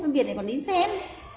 phân biệt thì còn đến xem